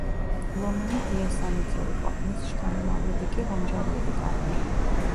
ლომინი დიასამიძე იყო, მის შთამომავლები კი ლომჯარიები გახდნენ.